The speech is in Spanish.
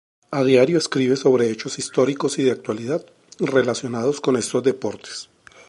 A diario escribe sobre hechos históricos y de actualidad relacionados con estos deportes.